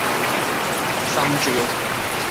心照